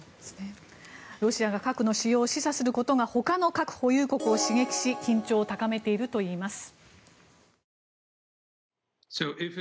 ロシアが核の使用を示唆することが他の核保有国を刺激し緊張を高めているといいます。